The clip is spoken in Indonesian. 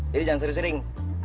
jadi jangan sering sering